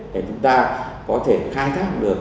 để chúng ta có thể khai thác được